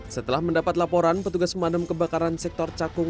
setelah mendapat laporan petugas pemadam kebakaran sektor cakung